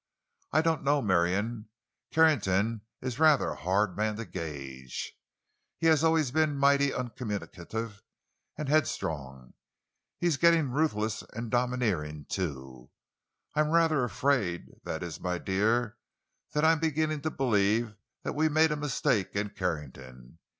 "I don't know, Marion. Carrington is a rather hard man to gauge. He has always been mighty uncommunicative and headstrong. He is getting ruthless and domineering, too. I am rather afraid—that is, my dear, I am beginning to believe we made a mistake in Carrington.